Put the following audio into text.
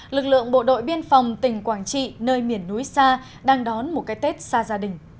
lực lượng bộ đội biên phòng tỉnh quảng trị nơi miền núi xa đang đón một cái tết xa gia đình